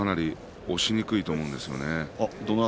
押しにくい力士だと思うんですよね。